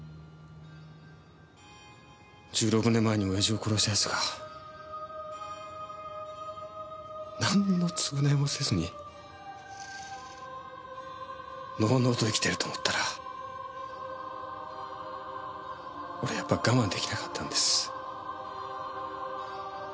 １６年前に親父を殺した奴がなんの償いもせずにのうのうと生きてると思ったら俺やっぱ我慢出来なかったんです。